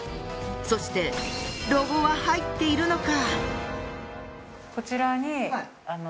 そしてロゴは入っているのか？